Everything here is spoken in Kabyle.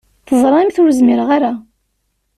Teẓrimt ur zmireɣ ara.